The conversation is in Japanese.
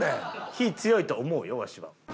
火強いと思うよわしは。